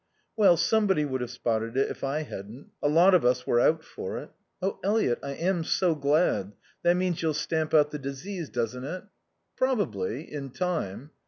"Well, somebody would have spotted it if I hadn't. A lot of us were out for it." "Oh Eliot, I am so glad. That means you'll stamp out the disease, doesn't it?" "Probably. In time."